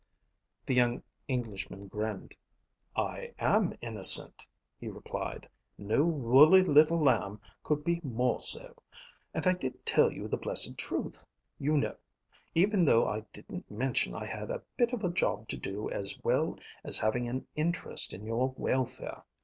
The young Englishman grinned. "I am innocent," he replied. "No woolly little lamb could be more so. And I did tell you the blessed truth, you know, even though I didn't mention I had a bit of a job to do as well as having an interest in your welfare.